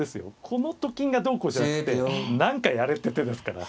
このと金がどうこうじゃなくて何かやれって手ですから。